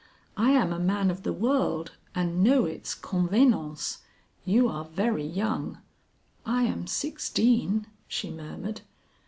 I am a man of the world and know its convenances; you are very young." "I am sixteen," she murmured.